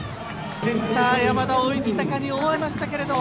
センター、山田、追いついたかに思われましたけれども。